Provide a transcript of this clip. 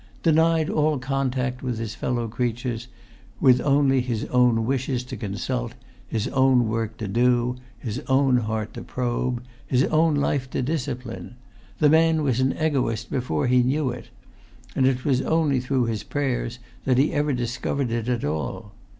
Denied all contact with his fellow creatures, with only his own wishes to consult, his own work to do, his own heart to probe, his own life to discipline, the man was an egoist before he knew it; and it was only through his prayers that he ever discovered it at all.